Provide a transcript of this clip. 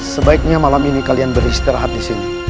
sebaiknya malam ini kalian beristirahat di sini